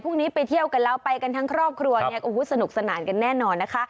พรุ่งนี้ไปเที่ยวกันแล้วไปกันทั้งครอบครัวสนุกสนานกันแน่นอนนะคะ